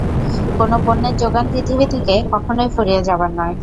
কোন পণ্যের জোগান পৃথিবী থেকে কখনোই ফুরিয়ে যাবার নয়?